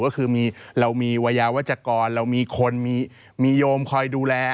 ก็คือเรามีวัยยาวัชกรเรามีคนมีโยมคอยดูแล